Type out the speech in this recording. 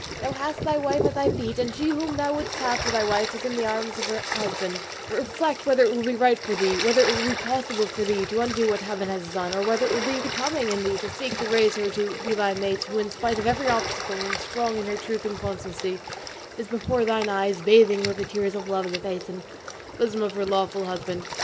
Thou hast thy wife at thy feet, and she whom thou wouldst have for thy wife is in the arms of her husband: reflect whether it will be right for thee, whether it will be possible for thee to undo what Heaven has done, or whether it will be becoming in thee to seek to raise her to be thy mate who in spite of every obstacle, and strong in her truth and constancy, is before thine eyes, bathing with the tears of love the face and bosom of her lawful husband.